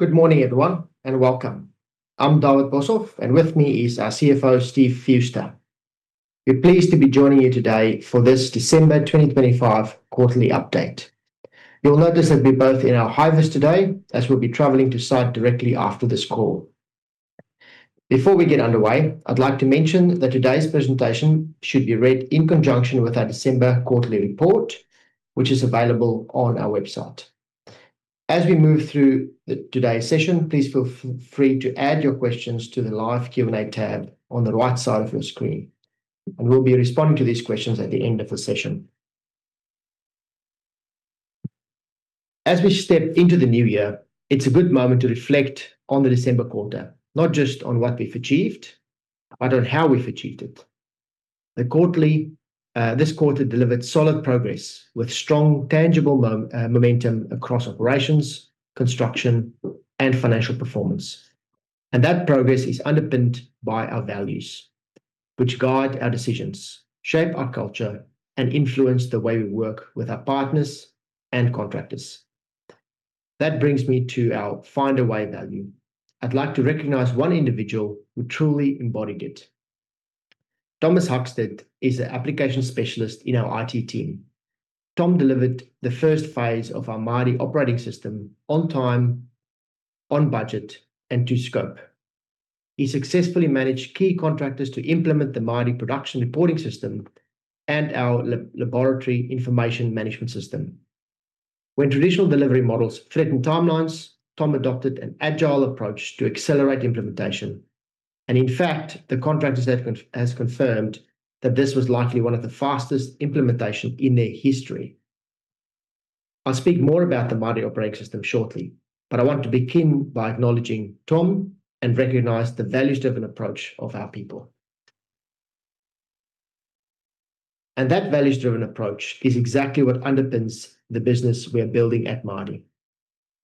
Good morning, everyone, and welcome. I'm David Boshoff, and with me is our CFO, Steve Fewster. We're pleased to be joining you today for this December 2025 quarterly update. You'll notice that we're both in our high vis today, as we'll be traveling to site directly after this call. Before we get underway, I'd like to mention that today's presentation should be read in conjunction with our December quarterly report, which is available on our website. As we move through today's session, please feel free to add your questions to the live Q&A tab on the right side of your screen, and we'll be responding to these questions at the end of the session. As we step into the new year, it's a good moment to reflect on the December quarter, not just on what we've achieved, but on how we've achieved it. The quarterly, this quarter delivered solid progress with strong, tangible momentum across operations, construction, and financial performance, and that progress is underpinned by our values, which guide our decisions, shape our culture, and influence the way we work with our partners and contractors. That brings me to our Find A Way value. I'd like to recognize one individual who truly embodied it. Thomas Huckstadt is an application specialist in our IT team. Tom delivered the first phase of our Mardie Operating System on time, on budget, and to scope. He successfully managed key contractors to implement the Mardie production reporting system and our laboratory information management system. When traditional delivery models threatened timelines, Tom adopted an agile approach to accelerate implementation, and in fact, the contractor has confirmed that this was likely one of the fastest implementation in their history. I'll speak more about the Mardie Operating System shortly, but I want to begin by acknowledging Tom and recognize the values-driven approach of our people. That values-driven approach is exactly what underpins the business we are building at Mardie.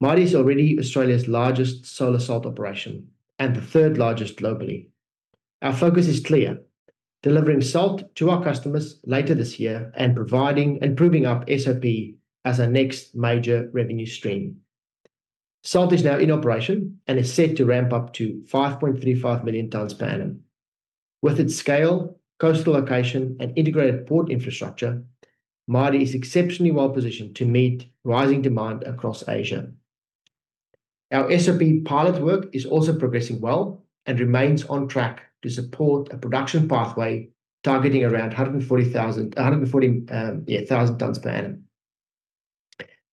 Mardie is already Australia's largest solar salt operation and the third largest globally. Our focus is clear: delivering salt to our customers later this year and providing and proving up SOP as our next major revenue stream. Salt is now in operation and is set to ramp up to 5.35 million tons per annum. With its scale, coastal location, and integrated port infrastructure, Mardie is exceptionally well positioned to meet rising demand across Asia. Our SOP pilot work is also progressing well and remains on track to support a production pathway, targeting around 140,000 tons per annum.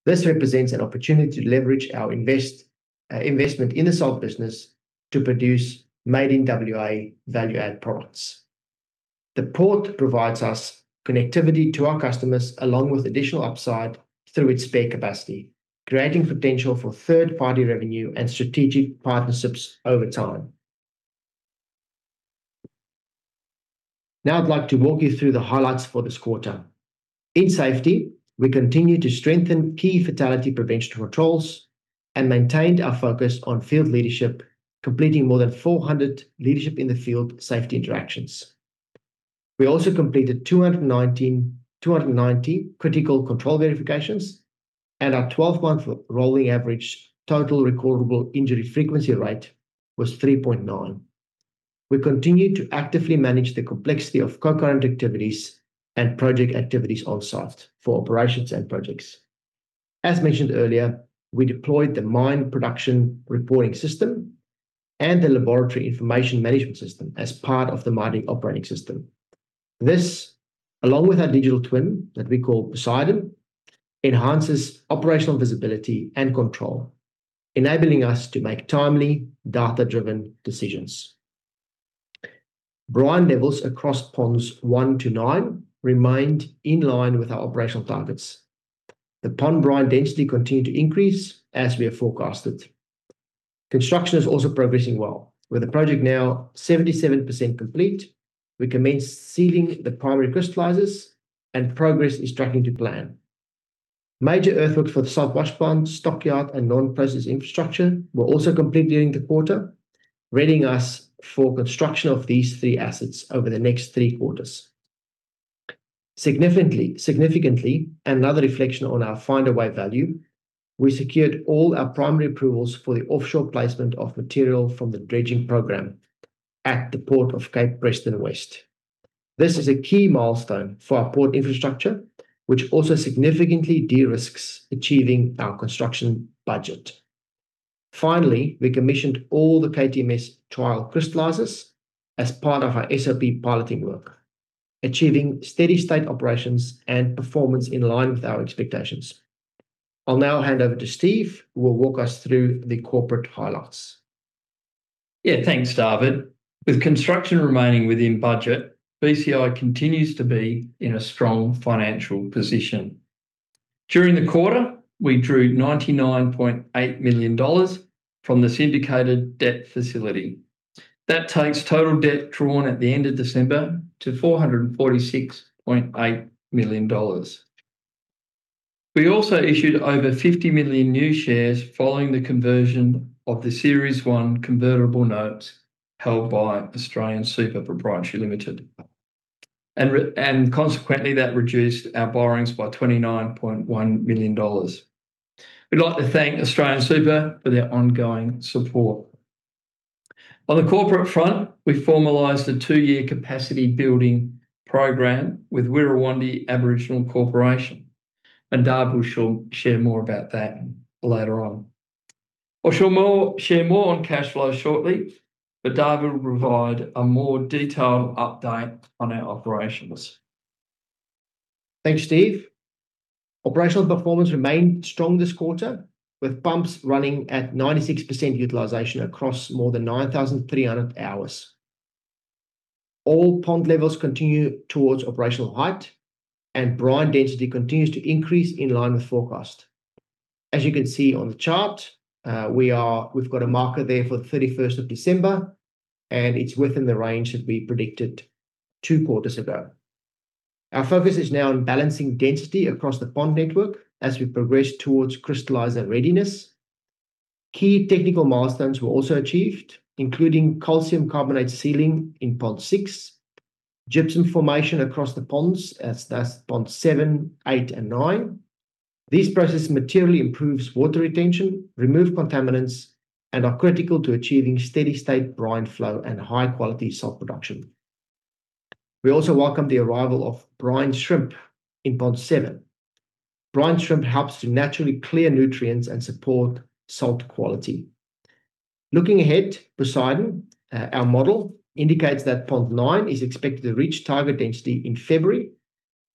This represents an opportunity to leverage our investment in the salt business to produce Made in WA value-add products. The port provides us connectivity to our customers, along with additional upside through its spare capacity, creating potential for third-party revenue and strategic partnerships over time. Now, I'd like to walk you through the highlights for this quarter. In safety, we continued to strengthen key fatality prevention controls and maintained our focus on field leadership, completing more than 400 leadership in the field safety interactions. We also completed 290 critical control verifications, and our 12th month rolling average total recordable injury frequency rate was 3.9. We continued to actively manage the complexity of concurrent activities and project activities on site for operations and projects. As mentioned earlier, we deployed the mine production reporting system and the laboratory information management system as part of the Mardie Operating System. This, along with our digital twin that we call Poseidon, enhances operational visibility and control, enabling us to make timely, data-driven decisions. Brine levels across ponds 1-9 remained in line with our operational targets. The pond brine density continued to increase as we have forecasted. Construction is also progressing well. With the project now 77% complete, we commenced sealing the primary crystallizers, and progress is tracking to plan. Major earthworks for the Salt Wash pond, stockyard, and Non-Process Infrastructure were also complete during the quarter, readying us for construction of these 3 assets over the next 3 quarters. Significantly, another reflection on our Find A Way value, we secured all our primary approvals for the offshore placement of material from the dredging program at the Port of Cape Preston West. This is a key milestone for our port infrastructure, which also significantly de-risks achieving our construction budget. Finally, we commissioned all the KTMS trial crystallizers as part of our SOP piloting work, achieving steady state operations and performance in line with our expectations. I'll now hand over to Steve, who will walk us through the corporate highlights. Yeah, thanks, David. With construction remaining within budget, BCI continues to be in a strong financial position. During the quarter, we drew 99.8 million dollars from the syndicated debt facility. That takes total debt drawn at the end of December to 446.8 million dollars. We also issued over 50 million new shares following the conversion of the Series One convertible notes held by AustralianSuper Pty Ltd... and consequently, that reduced our borrowings by 29.1 million dollars. We'd like to thank AustralianSuper for their ongoing support. On the corporate front, we formalized a two-year capacity building program with Wirrawandi Aboriginal Corporation, and David will share more about that later on. I'll share more on cash flow shortly, but David will provide a more detailed update on our operations. Thanks, Steve. Operational performance remained strong this quarter, with pumps running at 96% utilization across more than 9,300 hours. All pond levels continue towards operational height, and brine density continues to increase in line with forecast. As you can see on the chart, we've got a marker there for the 31st of December, and it's within the range that we predicted two quarters ago. Our focus is now on balancing density across the pond network as we progress towards crystallizer readiness. Key technical milestones were also achieved, including calcium carbonate sealing in Pond 6, gypsum formation across the ponds, as Pond 7, 8, and 9. These processes materially improves water retention, remove contaminants, and are critical to achieving steady state brine flow and high-quality salt production. We also welcome the arrival of brine shrimp in Pond 7. Brine shrimp helps to naturally clear nutrients and support salt quality. Looking ahead, Poseidon, our model, indicates that Pond 9 is expected to reach target density in February,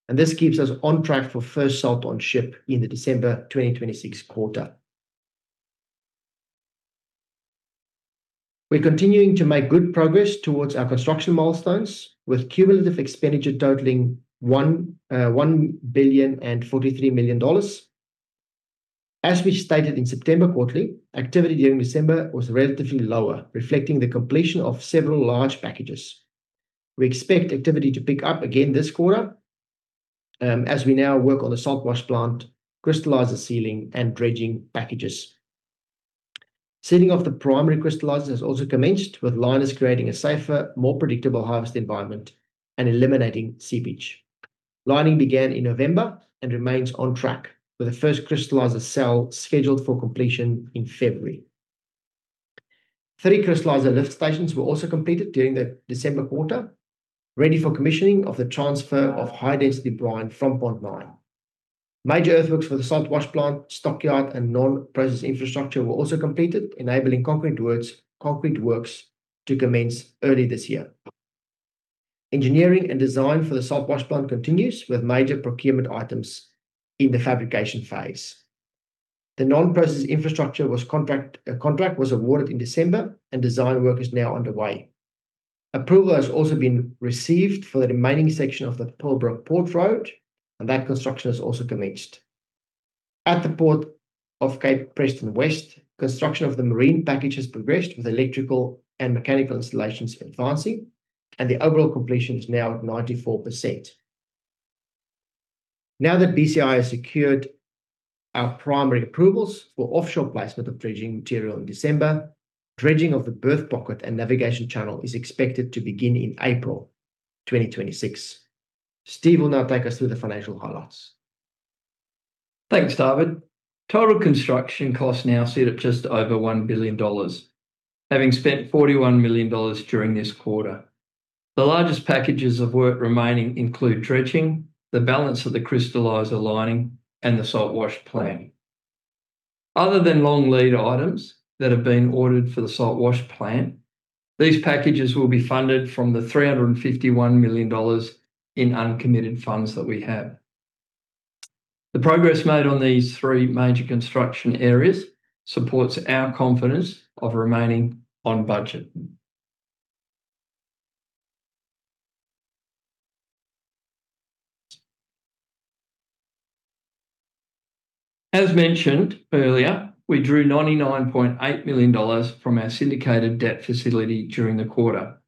and this keeps us on track for first salt on ship in the December 2026 quarter. We're continuing to make good progress towards our construction milestones, with cumulative expenditure totaling 1,043 million dollars. As we stated in September quarterly, activity during December was relatively lower, reflecting the completion of several large packages. We expect activity to pick up again this quarter, as we now work on the Salt Wash Plant, crystallizer sealing, and dredging packages. Sealing of the primary crystallizer has also commenced, with liners creating a safer, more predictable harvest environment and eliminating seepage. Lining began in November and remains on track, with the first crystallizer cell scheduled for completion in February. Three crystallizer lift stations were also completed during the December quarter, ready for commissioning of the transfer of high-density brine from Pond 9. Major earthworks for the Salt Wash Plant, stockyard, and Non-Process Infrastructure were also completed, enabling concrete works to commence early this year. Engineering and design for the Salt Wash Plant continues, with major procurement items in the fabrication phase. The Non-Process Infrastructure contract was awarded in December, and design work is now underway. Approval has also been received for the remaining section of the [Pearl Brook Port Road], and that construction has also commenced. At the Port of Cape Preston West, construction of the marine package has progressed, with electrical and mechanical installations advancing, and the overall completion is now at 94%. Now that BCI has secured our primary approvals for offshore placement of dredging material in December, dredging of the berth pocket and navigation channel is expected to begin in April 2026. Steve will now take us through the financial highlights. Thanks, David. Total construction costs now sit at just over 1 billion dollars, having spent 41 million dollars during this quarter. The largest packages of work remaining include dredging, the balance of the crystallizer lining, and the Salt Wash Plant. Other than long lead items that have been ordered for the Salt Wash Plant, these packages will be funded from the 351 million dollars in uncommitted funds that we have. The progress made on these three major construction areas supports our confidence of remaining on budget. As mentioned earlier, we drew 99.8 million dollars from our syndicated debt facility during the quarter.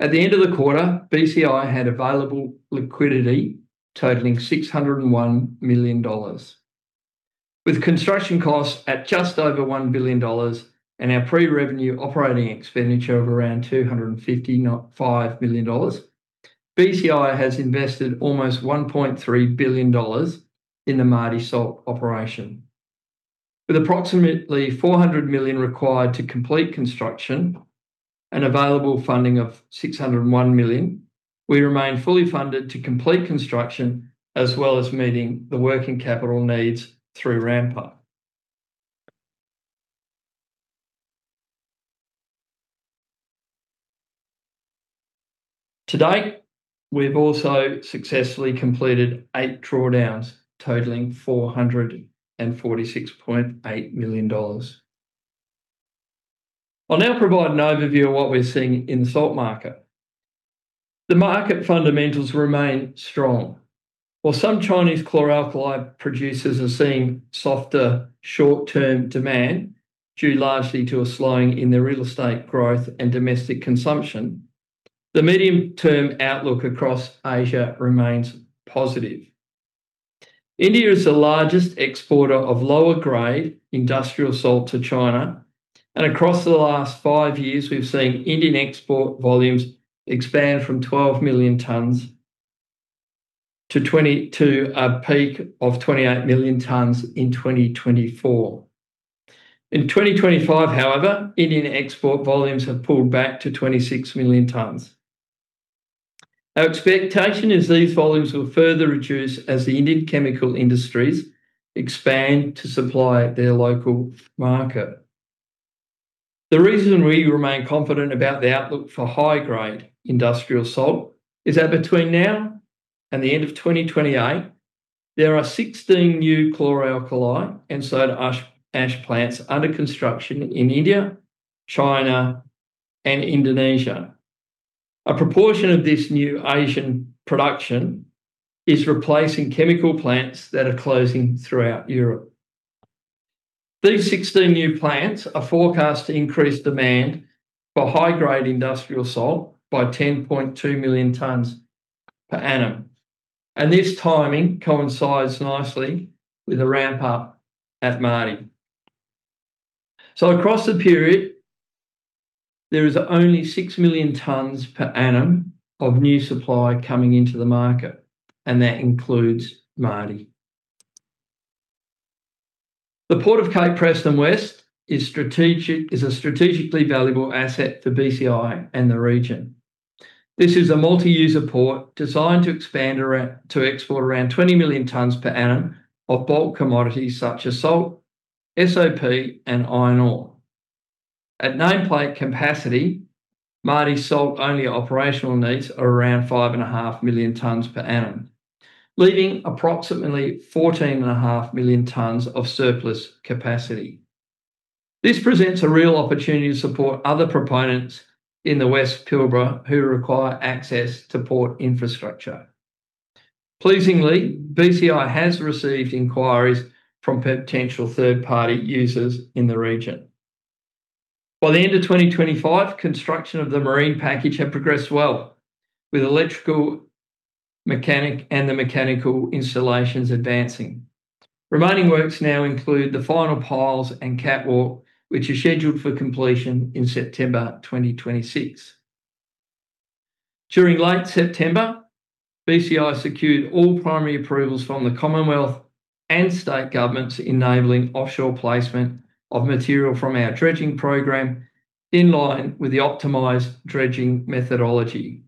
At the end of the quarter, BCI had available liquidity totaling 601 million dollars. With construction costs at just over 1 billion dollars and our pre-revenue operating expenditure of around 295 million dollars, BCI has invested almost 1.3 billion dollars in the Mardie salt operation. With approximately 400 million required to complete construction and available funding of 601 million, we remain fully funded to complete construction, as well as meeting the working capital needs through ramp-up. To date, we've also successfully completed eight drawdowns, totaling AUD 446.8 million. I'll now provide an overview of what we're seeing in the salt market. The market fundamentals remain strong. While some Chinese chlor-alkali producers are seeing softer short-term demand, due largely to a slowing in their real estate growth and domestic consumption, the medium-term outlook across Asia remains positive.... India is the largest exporter of lower-grade industrial salt to China, and across the last five years, we've seen Indian export volumes expand from 12 million tons to 20, to a peak of 28 million tons in 2024. In 2025, however, Indian export volumes have pulled back to 26 million tons. Our expectation is these volumes will further reduce as the Indian chemical industries expand to supply their local market. The reason we remain confident about the outlook for high-grade industrial salt is that between now and the end of 2028, there are 16 new chlor-alkali and soda ash plants under construction in India, China, and Indonesia. A proportion of this new Asian production is replacing chemical plants that are closing throughout Europe. These 16 new plants are forecast to increase demand for high-grade industrial salt by 10.2 million tons per annum, and this timing coincides nicely with a ramp up at Mardie. So across the period, there is only 6 million tons per annum of new supply coming into the market, and that includes Mardie. The Port of Cape Preston West is strategic, is a strategically valuable asset for BCI and the region. This is a multi-user port designed to expand around, to export around 20 million tons per annum of bulk commodities such as salt, SOP, and iron ore. At nameplate capacity, Mardie salt only operational needs are around 5.5 million tons per annum, leaving approximately 14.5 million tons of surplus capacity. This presents a real opportunity to support other proponents in the West Pilbara who require access to port infrastructure. Pleasingly, BCI has received inquiries from potential third-party users in the region. By the end of 2025, construction of the marine package had progressed well, with electrical, mechanical, and the mechanical installations advancing. Remaining works now include the final piles and catwalk, which are scheduled for completion in September 2026. During late September, BCI secured all primary approvals from the Commonwealth and state governments, enabling offshore placement of material from our dredging program in line with the optimized dredging methodology.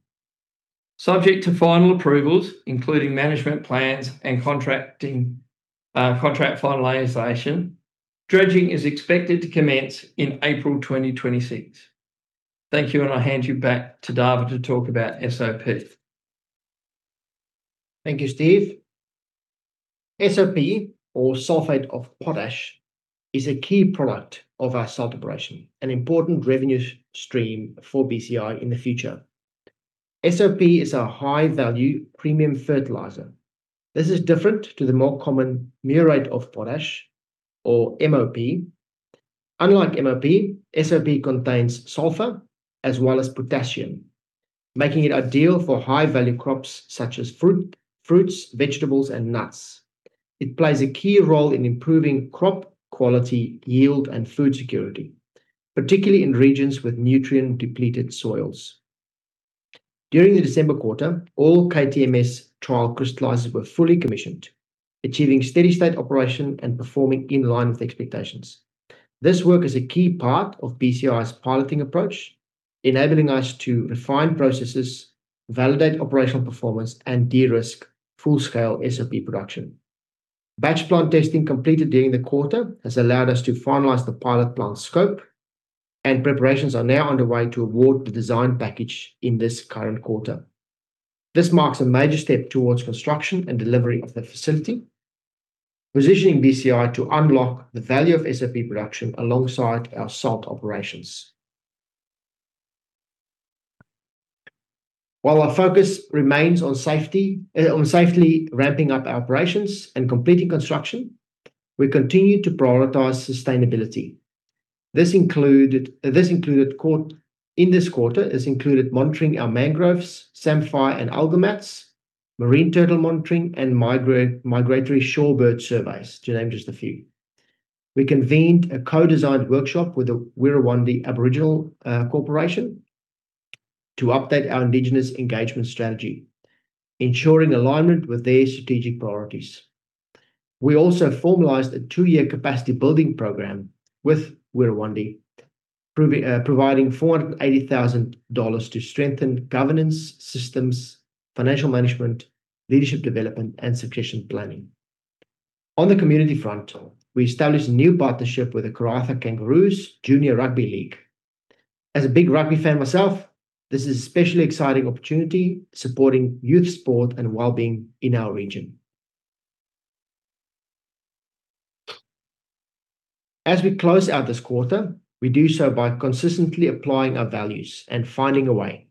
Subject to final approvals, including management plans and contracting, contract finalization, dredging is expected to commence in April 2026. Thank you, and I'll hand you back to David to talk about SOP. Thank you, Steve. SOP, or sulfate of potash, is a key product of our salt operation, an important revenue stream for BCI in the future. SOP is a high-value premium fertilizer. This is different to the more common muriate of potash, or MOP. Unlike MOP, SOP contains sulfur as well as potassium, making it ideal for high-value crops such as fruit, vegetables, and nuts. It plays a key role in improving crop quality, yield, and food security, particularly in regions with nutrient-depleted soils. During the December quarter, all KTMS trial crystallizers were fully commissioned, achieving steady state operation and performing in line with expectations. This work is a key part of BCI's piloting approach, enabling us to refine processes, validate operational performance, and de-risk full-scale SOP production. Batch plant testing completed during the quarter has allowed us to finalize the pilot plant scope, and preparations are now underway to award the design package in this current quarter. This marks a major step towards construction and delivery of the facility, positioning BCI to unlock the value of SOP production alongside our salt operations. While our focus remains on safety, on safely ramping up our operations and completing construction, we continue to prioritize sustainability. This included in this quarter monitoring our mangroves, samphire and algal mats, marine turtle monitoring, and migratory shorebird surveys, to name just a few. We convened a co-designed workshop with the Wirrawandi Aboriginal Corporation to update our Indigenous engagement strategy, ensuring alignment with their strategic priorities. We also formalized a two-year capacity building program with Wirrawandi, providing 480,000 dollars to strengthen governance systems, financial management, leadership development, and succession planning. On the community front, we established a new partnership with the Karratha Kangaroos Junior Rugby League. As a big rugby fan myself, this is an especially exciting opportunity, supporting youth sport and well-being in our region. As we close out this quarter, we do so by consistently applying our values and finding a way.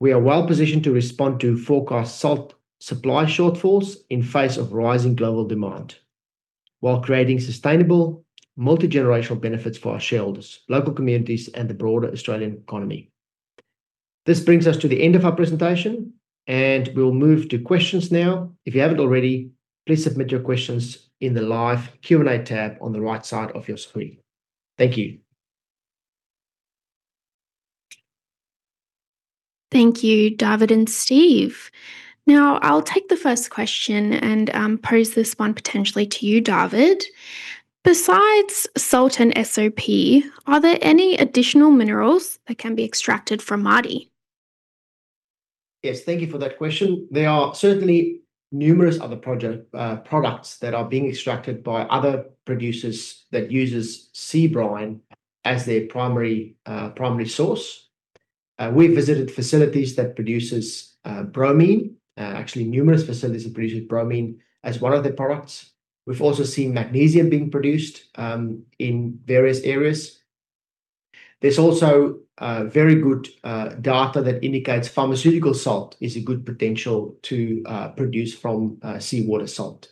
We are well positioned to respond to forecast salt supply shortfalls in face of rising global demand, while creating sustainable multi-generational benefits for our shareholders, local communities, and the broader Australian economy. This brings us to the end of our presentation, and we'll move to questions now. If you haven't already, please submit your questions in the live Q&A tab on the right side of your screen. Thank you. Thank you, David and Steve. Now, I'll take the first question and, pose this one potentially to you, David. Besides salt and SOP, are there any additional minerals that can be extracted from Mardie? Yes, thank you for that question. There are certainly numerous other project products that are being extracted by other producers that uses sea brine as their primary primary source. We visited facilities that produces bromine. Actually, numerous facilities that produces bromine as one of their products. We've also seen magnesium being produced in various areas. There's also very good data that indicates pharmaceutical salt is a good potential to produce from seawater salt.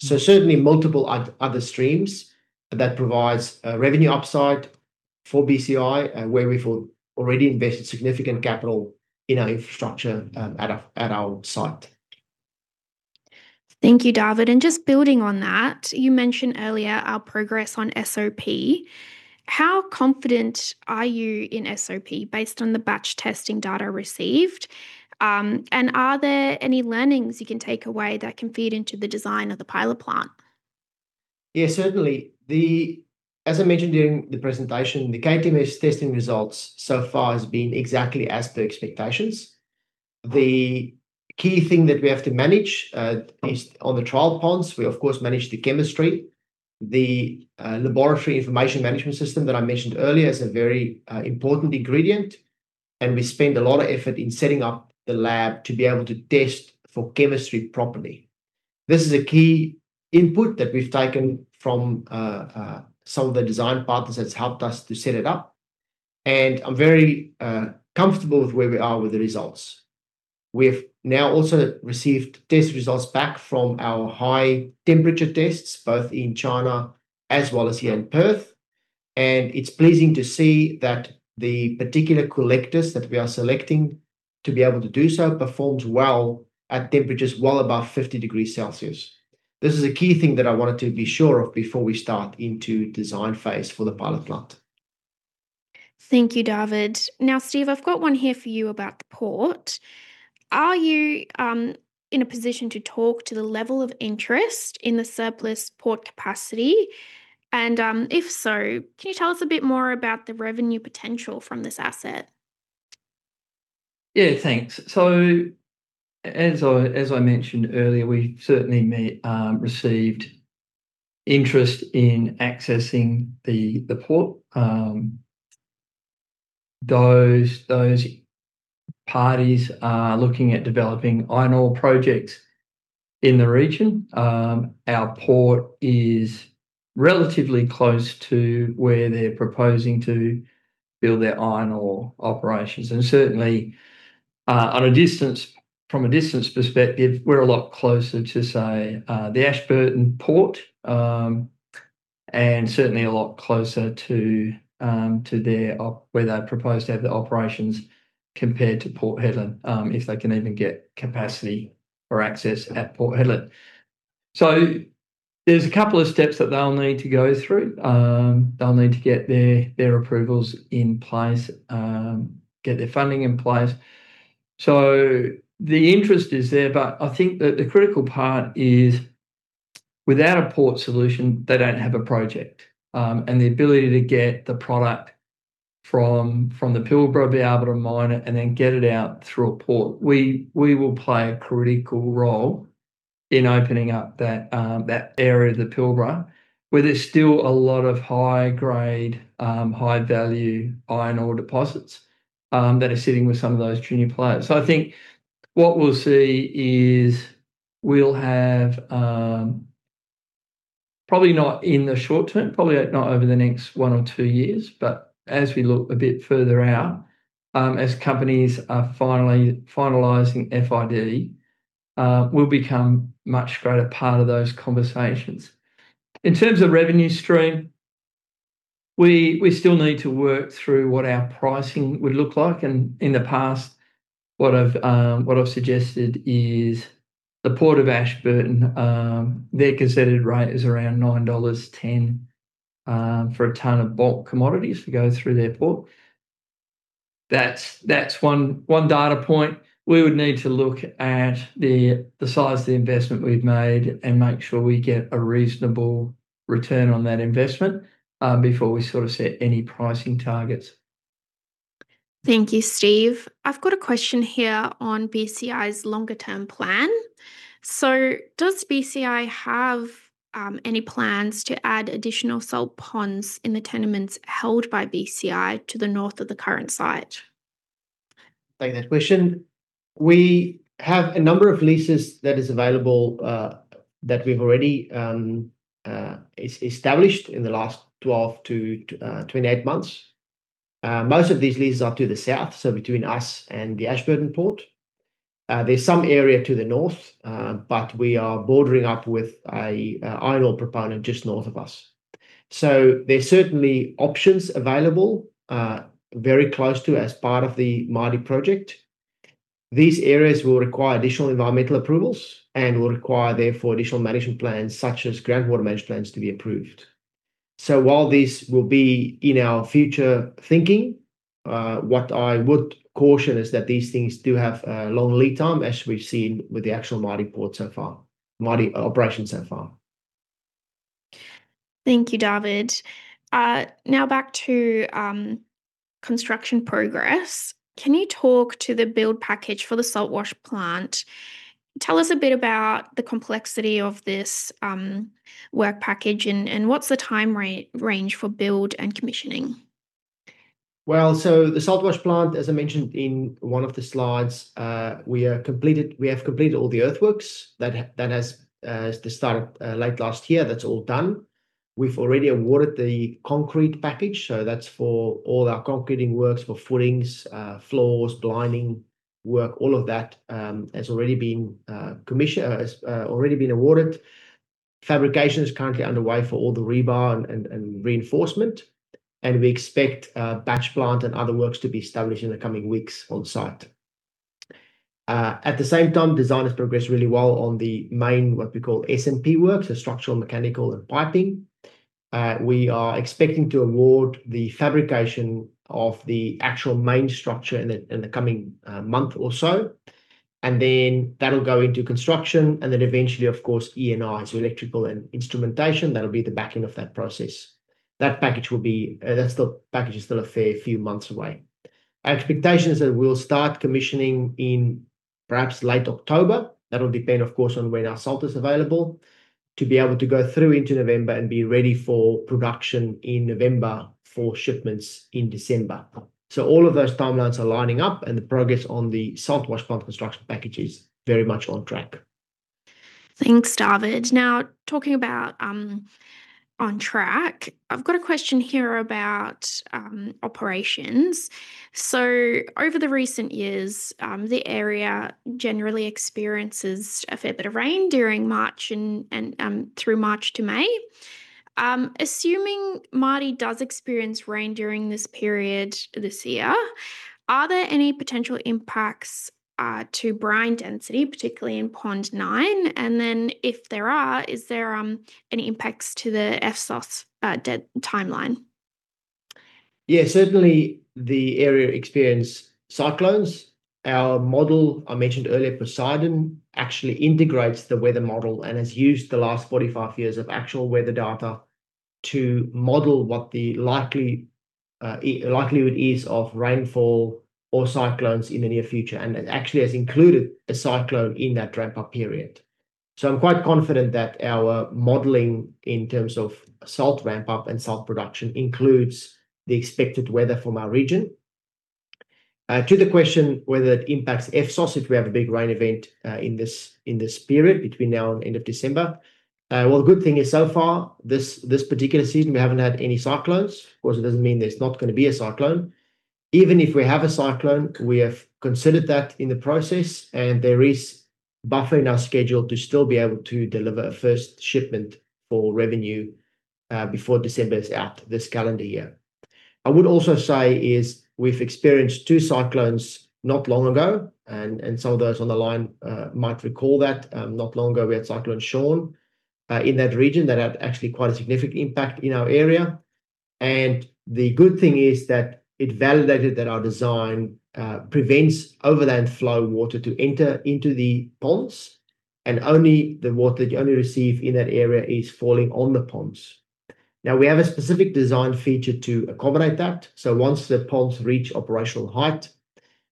So certainly, multiple other streams that provides a revenue upside for BCI, and where we've already invested significant capital in our infrastructure at our site. Thank you, David. And just building on that, you mentioned earlier our progress on SOP. How confident are you in SOP based on the batch testing data received? And are there any learnings you can take away that can feed into the design of the pilot plant? Yeah, certainly. The, as I mentioned during the presentation, the KTMS testing results so far has been exactly as per expectations. The key thing that we have to manage is, on the trial ponds, we of course manage the chemistry. The laboratory information management system that I mentioned earlier is a very important ingredient, and we spend a lot of effort in setting up the lab to be able to test for chemistry properly. This is a key input that we've taken from some of the design partners that's helped us to set it up, and I'm very comfortable with where we are with the results. We've now also received test results back from our high temperature tests, both in China as well as here in Perth. It's pleasing to see that the particular collectors that we are selecting to be able to do so performs well at temperatures well above 50 degrees Celsius. This is a key thing that I wanted to be sure of before we start into design phase for the pilot plant. Thank you, David. Now, Steve, I've got one here for you about the port. Are you in a position to talk to the level of interest in the surplus port capacity? And, if so, can you tell us a bit more about the revenue potential from this asset? Yeah, thanks. So as I mentioned earlier, we certainly have received interest in accessing the port. Those parties are looking at developing iron ore projects in the region. Our port is relatively close to where they're proposing to build their iron ore operations. And certainly, from a distance perspective, we're a lot closer to, say, the Ashburton Port, and certainly a lot closer to where they propose to have their operations compared to Port Hedland, if they can even get capacity or access at Port Hedland. So there's a couple of steps that they'll need to go through. They'll need to get their approvals in place, get their funding in place. So the interest is there, but I think that the critical part is, without a port solution, they don't have a project. And the ability to get the product from the Pilbara, be able to mine it, and then get it out through a port. We will play a critical role in opening up that area of the Pilbara, where there's still a lot of high-grade, high-value iron ore deposits that are sitting with some of those junior players. So I think what we'll see is we'll have, probably not in the short term, probably not over the next one or two years, but as we look a bit further out, as companies are finally finalizing FID, we'll become much greater part of those conversations. In terms of revenue stream, we still need to work through what our pricing would look like, and in the past, what I've suggested is the Port of Ashburton, their gazetted rate is around 9.10 dollars for a ton of bulk commodities to go through their port. That's one data point. We would need to look at the size of the investment we've made and make sure we get a reasonable return on that investment, before we sort of set any pricing targets. Thank you, Steve. I've got a question here on BCI's longer-term plan. So does BCI have any plans to add additional salt ponds in the tenements held by BCI to the north of the current site? Take that question. We have a number of leases that is available, that we've already established in the last 12 to 28 months. Most of these leases are to the south, so between us and the Ashburton Port. There's some area to the north, but we are bordering up with a iron ore proponent just north of us. So there's certainly options available, very close to as part of the Mardie project. These areas will require additional environmental approvals and will require, therefore, additional management plans, such as groundwater management plans, to be approved. So while this will be in our future thinking, what I would caution is that these things do have a long lead time, as we've seen with the actual Mardie port so far- Mardie operation so far. Thank you, David. Now back to construction progress. Can you talk to the build package for the Salt Wash Plant? Tell us a bit about the complexity of this work package, and what's the time range for build and commissioning? Well, so the Salt Wash Plant, as I mentioned in one of the slides, we have completed all the earthworks. That has started late last year. That's all done. We've already awarded the concrete package, so that's for all our concreting works, for footings, floors, blinding work, all of that, has already been awarded. Fabrication is currently underway for all the rebar and reinforcement, and we expect batch plant and other works to be established in the coming weeks on site. At the same time, design has progressed really well on the main, what we call SMP works, the structural, mechanical, and piping. We are expecting to award the fabrication of the actual main structure in the coming month or so. Then that'll go into construction, and then eventually, of course, E&I, so electrical and instrumentation. That'll be the backing of that process. That package will be, that's still, package is still a fair few months away. Our expectation is that we'll start commissioning in perhaps late October. That'll depend, of course, on when our salt is available, to be able to go through into November and be ready for production in November for shipments in December. So all of those timelines are lining up, and the progress on the Salt Wash Plant construction package is very much on track. Thanks, David. Now, talking about on track, I've got a question here about operations. So over the recent years, the area generally experiences a fair bit of rain during March and through March to May. Assuming Mardie does experience rain during this period this year, are there any potential impacts to brine density, particularly in Pond 9? And then if there are, is there any impacts to the FSOS timeline? Yeah, certainly the area experience cyclones. Our model, I mentioned earlier, Poseidon, actually integrates the weather model and has used the last 45 years of actual weather data to model what the likely likelihood is of rainfall or cyclones in the near future, and it actually has included a cyclone in that ramp-up period. So I'm quite confident that our modeling in terms of salt ramp-up and salt production includes the expected weather for my region. To the question whether it impacts FSOS if we have a big rain event, in this period between now and end of December, well, the good thing is so far, this particular season, we haven't had any cyclones. Of course, it doesn't mean there's not gonna be a cyclone. Even if we have a cyclone, we have considered that in the process, and there is buffer in our schedule to still be able to deliver a first shipment for revenue, before December is out this calendar year. I would also say is we've experienced two cyclones not long ago, and some of those on the line might recall that. Not long ago, we had Cyclone Sean, in that region. That had actually quite a significant impact in our area, and the good thing is that it validated that our design prevents overland flow water to enter into the ponds, and only the water that you only receive in that area is falling on the ponds. Now, we have a specific design feature to accommodate that. So once the ponds reach operational height,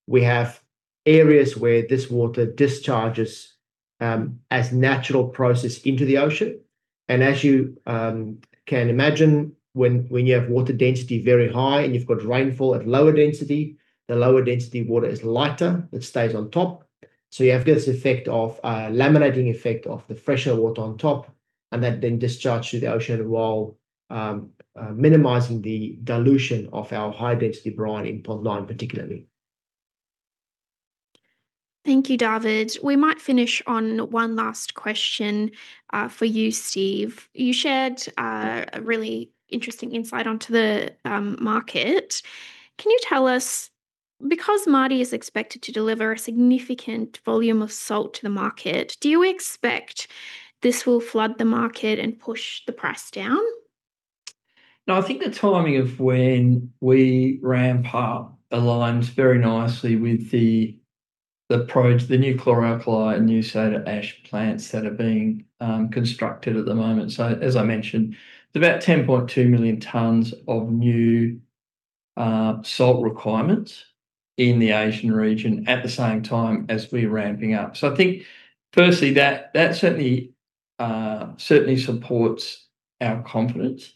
we have areas where this water discharges as natural process into the ocean. And as you can imagine, when you have water density very high and you've got rainfall at lower density, the lower density water is lighter. It stays on top. So you have this effect of laminating effect of the fresher water on top, and that then discharges to the ocean while minimizing the dilution of our high-density brine in Pond 9 particularly. Thank you, David. We might finish on one last question for you, Steve. You shared a really interesting insight onto the market. Can you tell us, because Mardie is expected to deliver a significant volume of salt to the market, do you expect this will flood the market and push the price down? No, I think the timing of when we ramp up aligns very nicely with the new chlor-alkali and new soda ash plants that are being constructed at the moment. So as I mentioned, it's about 10.2 million tons of new salt requirements in the Asian region at the same time as we're ramping up. So I think, firstly, that certainly supports our confidence.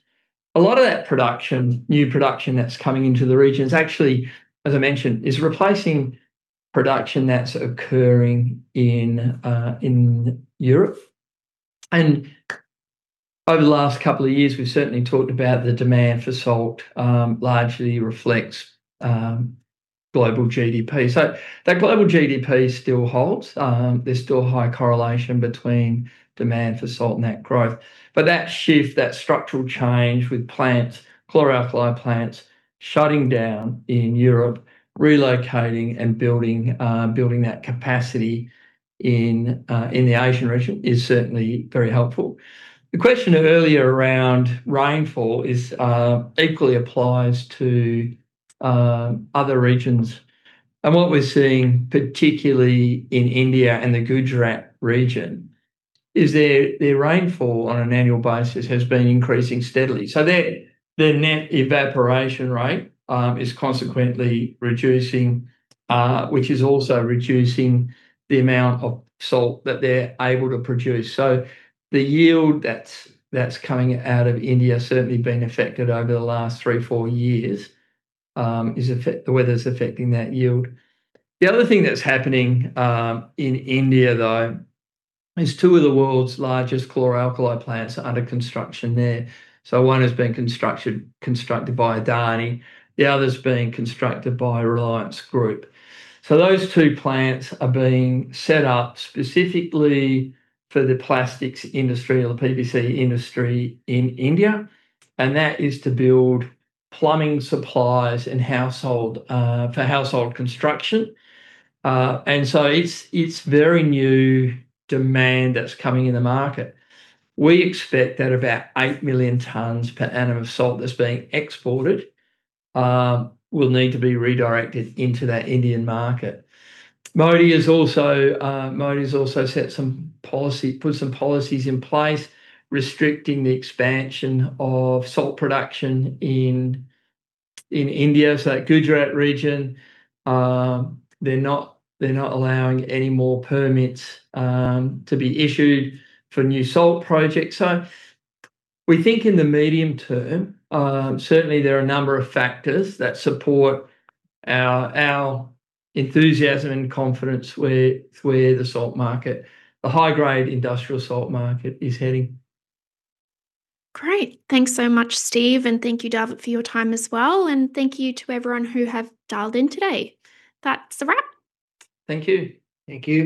A lot of that production, new production that's coming into the region is actually, as I mentioned, replacing production that's occurring in Europe. Over the last couple of years, we've certainly talked about the demand for salt largely reflects global GDP. So that global GDP still holds, there's still a high correlation between demand for salt and that growth. But that shift, that structural change with plants, chlor-alkali plants, shutting down in Europe, relocating and building that capacity in the Asian region is certainly very helpful. The question earlier around rainfall is equally applies to other regions, and what we're seeing, particularly in India and the Gujarat region, is their rainfall on an annual basis has been increasing steadily. So their net evaporation rate is consequently reducing, which is also reducing the amount of salt that they're able to produce. So the yield that's coming out of India certainly been affected over the last 3-4 years, the weather's affecting that yield. The other thing that's happening in India, though, is 2 of the world's largest chlor-alkali plants are under construction there. So one has been constructed by Adani, the other's being constructed by Reliance Group. So those two plants are being set up specifically for the plastics industry or the PVC industry in India, and that is to build plumbing supplies and household for household construction. And so it's very new demand that's coming in the market. We expect that about 8 million tons per annum of salt that's being exported will need to be redirected into that Indian market. Modi has also, Modi's also set some policies in place, restricting the expansion of salt production in India. So that Gujarat region, they're not allowing any more permits to be issued for new salt projects. We think in the medium term, certainly there are a number of factors that support our enthusiasm and confidence where the salt market, the high-grade industrial salt market is heading. Great! Thanks so much, Steve, and thank you, David, for your time as well, and thank you to everyone who have dialed in today. That's a wrap. Thank you. Thank you.